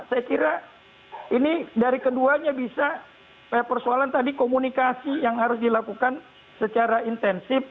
saya kira ini dari keduanya bisa persoalan tadi komunikasi yang harus dilakukan secara intensif